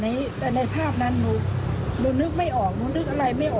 แต่ก็ไม่สามารถยกอะไรได้